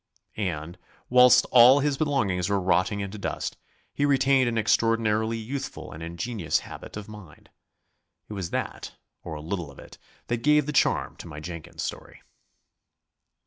And, whilst all his belongings were rotting into dust, he retained an extraordinarily youthful and ingenuous habit of mind. It was that, or a little of it, that gave the charm to my Jenkins story.